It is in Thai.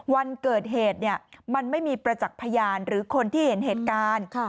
วันเกิดเหตุมันไม่มีประจักษ์พยานหรือคนที่เห็นเหตุการณ์